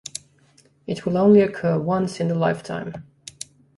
It will only occur once in the lifetime.